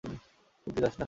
কুট্টি, যাস না!